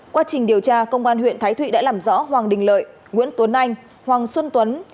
quá trình điều tra công an huyện thái thụy đã làm rõ hoàng đình lợi nguyễn tuấn anh hoàng xuân tuấn